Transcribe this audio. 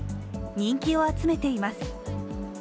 人気を集めています。